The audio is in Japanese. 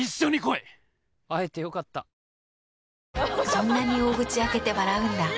そんなに大口開けて笑うんだ。